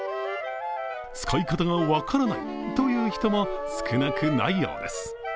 使い方が分からないという人も少なくないようです。